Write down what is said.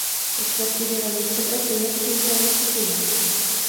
Ìch gläub, die wäre nìtt so presseert sìn, fer ne ze fìnde.